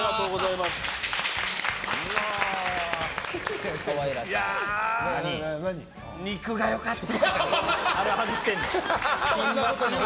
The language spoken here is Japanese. いやあ、肉がよかった。